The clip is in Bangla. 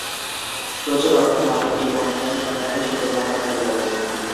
প্রচুর অর্থের মালিক এ বণিকরাই ইংল্যান্ডে সুদের কারবার চালু করে।